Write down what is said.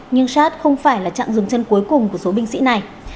nhưng sát không phải là trạng dừng chân cuối cùng của số binh sĩ này